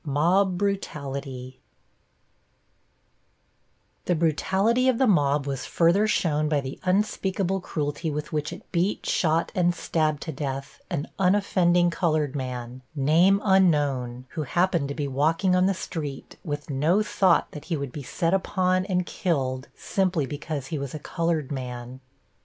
+MOB BRUTALITY+ The brutality of the mob was further shown by the unspeakable cruelty with which it beat, shot and stabbed to death an unoffending colored man, name unknown, who happened to be walking on the street with no thought that he would be set upon and killed simply because he was a colored man.